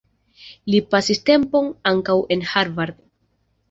Li pasis tempon ankaŭ en Harvard.